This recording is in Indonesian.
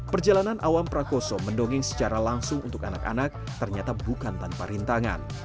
perjalanan awam prakoso mendongeng secara langsung untuk anak anak ternyata bukan tanpa rintangan